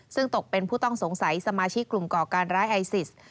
ซึ่งตกเป็นผู้ต้องสงสัยสมาชิกกลุ่มก่อการร้ายไอซิส